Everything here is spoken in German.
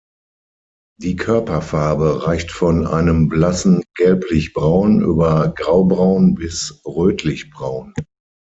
Die Körperfarbe reicht von einem blassen Gelblichbraun über graubraun bis rötlichbraun.